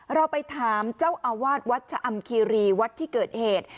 เราไปถามเจ้าอาวาสวัดชะอำคีรีวัดที่เกิดเหตุ